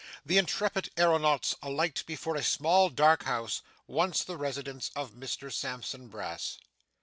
The intrepid aeronauts alight before a small dark house, once the residence of Mr Sampson Brass.